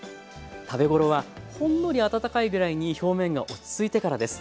食べごろはほんのり温かいぐらいに表面が落ち着いてからです。